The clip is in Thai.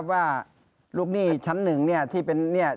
ว่าลูกหนี้ชั้นหนึ่งที่เป็น